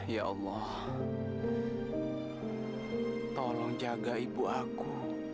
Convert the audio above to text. ya allah tolong jaga ibu aku